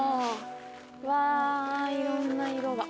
うわいろんな色が。